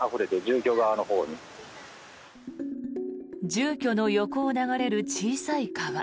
住居の横を流れる小さい川。